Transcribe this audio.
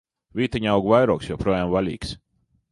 Vīteņaugu vairogs joprojām vaļīgs!